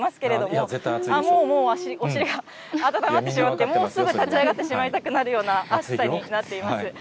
もうもう足、お尻が温まってしまって、もうすぐ立ち上がってしまいたくなるような熱さになっています。